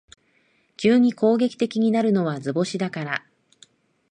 急に攻撃的になるのは図星だから